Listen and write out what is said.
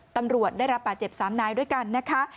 ตำรวจได้รับบาดเจ็บ๓นายด้วยกันนะคะ